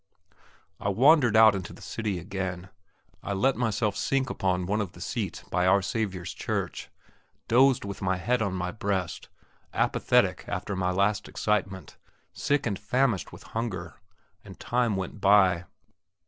I wandered out into the city again. I let myself sink upon one of the seats by Our Saviour's Church; dozed with my head on my breast, apathetic after my last excitement, sick and famished with hunger. And time went by.